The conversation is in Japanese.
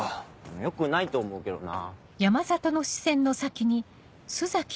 よくないと思うけどな。